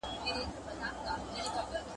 سياسي باورونه په ټولنه کې بدلېدل.